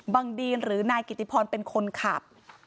ดีนหรือนายกิติพรเป็นคนขับ